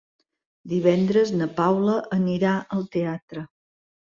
Divendres na Paula anirà al teatre.